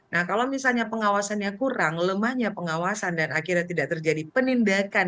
nah kalau misalnya pengawasannya kurang lemahnya pengawasan dan akhirnya tidak terjadi penindakan